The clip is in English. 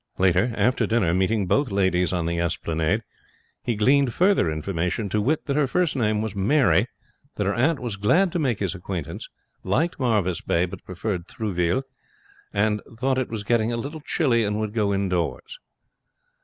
Later, after dinner, meeting both ladies on the esplanade, he gleaned further information to wit, that her first name was Mary, that her aunt was glad to make his acquaintance, liked Marvis Bay but preferred Trouville, and thought it was getting a little chilly and would go indoors.